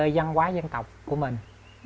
văn hóa dân tộc của mình